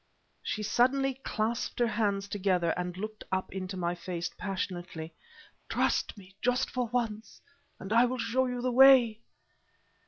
She suddenly clasped her hands together and looked up into my face, passionately "Trust me just for once and I will show you the way!"